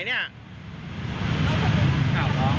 มันไม่ต้องร้องไห้มันสอบเขาจริง